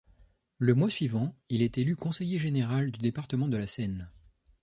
Le mois suivant, il est élu conseiller général du département de la Seine.